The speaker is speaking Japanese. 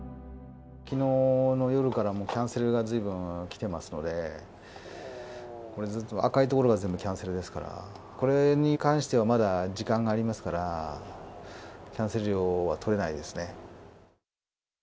きのうの夜からもキャンセルがずいぶん来てますので、これ、ずっと赤い所が全部キャンセルですから、これに関してはまだ時間がありますから、キャンセル料は取れないですね。